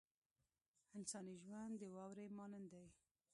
انساني ژوند د واورې مانند دی.